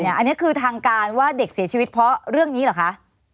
อันนี้คือทางการว่าเด็กเสียชีวิตเพราะเรื่องนี้เหรอคะ